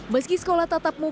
meski sekolah tatap muka